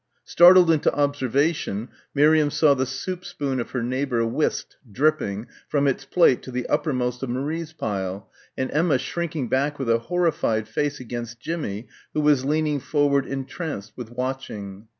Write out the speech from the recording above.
Startled into observation Miriam saw the soup spoon of her neighbour whisked, dripping, from its plate to the uppermost of Marie's pile and Emma shrinking back with a horrified face against Jimmie who was leaning forward entranced with watching....